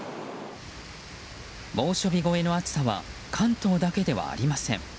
猛暑日超えの暑さは関東だけではありません。